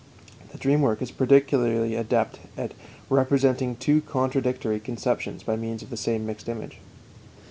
The dream work is peculiarly adept at representing two contradictory conceptions by means of the same mixed image.